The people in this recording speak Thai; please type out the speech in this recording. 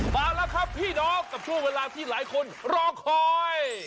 มาแล้วครับพี่น้องกับช่วงเวลาที่หลายคนรอคอย